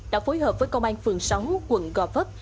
đã phối hợp với công an phường sáu quận gò vấp